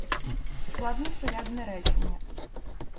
Складносурядне речення